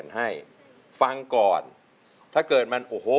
นะครับ